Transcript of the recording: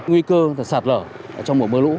nguy cơ sạt lở trong mùa mưa lũ